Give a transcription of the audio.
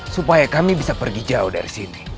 supaya kami bisa pergi jauh dari sini